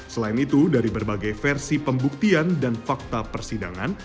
selain itu dari berbagai versi pembuktian dan fakta persidangan